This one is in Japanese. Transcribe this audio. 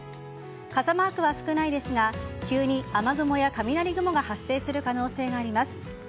傘マークは少ないですが急に雨雲や雷雲が発生する可能性があります。